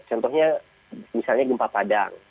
contohnya misalnya gempa padang